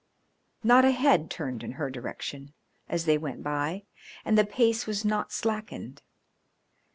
Not a head turned in her direction as they went by and the pace was not slackened.